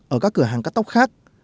ở các cửa hàng cắt tóc khác